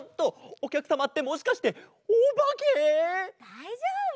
おきゃくさまってもしかしておばけ！？だいじょうぶ！